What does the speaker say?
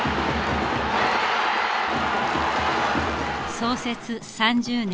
創設３０年